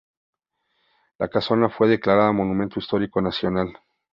La casona fue declarada Monumento Histórico Nacional.